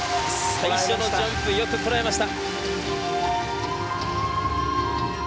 最初のジャンプよくこらえました。